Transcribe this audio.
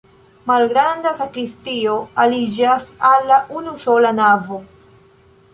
Malgranda sakristio aliĝas al la unusola navo.